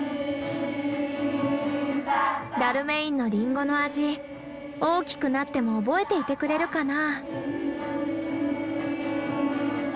ダルメインのリンゴの味大きくなっても覚えていてくれるかな。